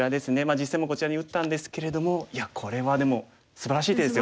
実戦もこちらに打ったんですけれどもいやこれはでもすばらしい手ですよ。